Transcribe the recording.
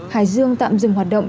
hải dương tạm dừng hoạt động